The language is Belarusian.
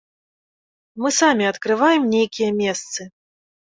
Мы самі адкрываем нейкія месцы.